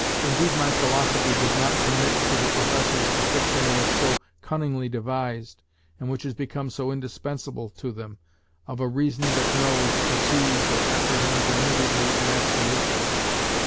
Indeed my philosophy does not permit to the professors the fiction they have so cunningly devised, and which has become so indispensable to them, of a reason that knows, perceives, or apprehends immediately and absolutely.